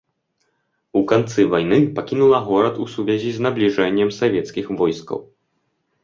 У канцы вайны пакінула горад у сувязі з набліжэннем савецкіх войскаў.